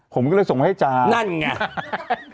ผมก็เลยส่งไว้ให้จ่านั่นไง